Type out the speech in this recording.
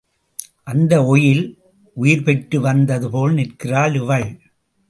அந்த ஒயில் உயிர் பெற்று வந்ததுபோல் நிற்கிறாள் இவள்.